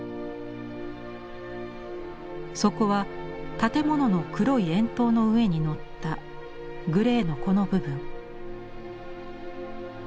そこは建物の黒い円筒の上に載ったグレーのこの部分。